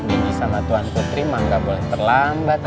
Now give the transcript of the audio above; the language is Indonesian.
bini sama tuan putri mah gak boleh terlambat